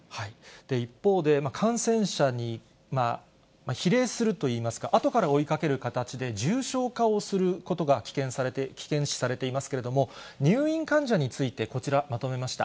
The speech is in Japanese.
一方で、感染者に比例するといいますか、あとから追いかける形で重症化をすることが危険視されていますけれども、入院患者について、こちらまとめました。